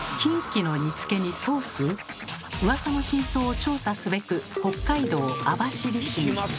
うわさの真相を調査すべく北海道網走市に。